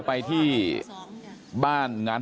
พ่อขอบคุณครับ